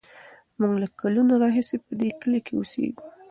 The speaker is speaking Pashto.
موږ له کلونو راهیسې په دې کلي کې اوسېږو.